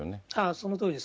そのとおりです。